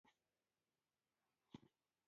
کور تباه سوی د حبیبیانو